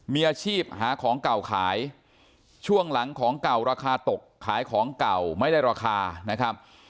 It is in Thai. มีอาชีพหาของเก่าขายช่วงหลังของเก่าราคาตกขายของเก่าไม่ได้ราคานะครับ